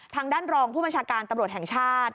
ทางด้านรองผู้บัญชาการตำรวจแห่งชาติ